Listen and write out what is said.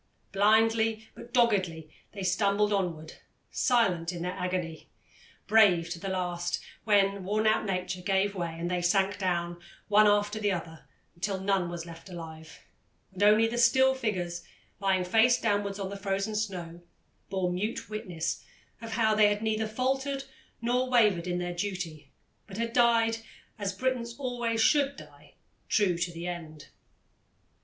Blindly, but doggedly, they stumbled onward, silent in their agony, brave to the last when worn out nature gave way and they sank down, one after the other, till none was left alive, and only the still figures, lying face downwards on the frozen snow, bore mute witness of how they had neither faltered nor wavered in their duty, but had died, as Britons always should die, true to the end.